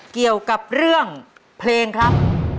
เกี่ยวกับเรื่องเพลงครับ